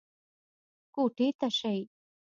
کوټې ته شئ.